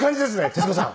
徹子さん。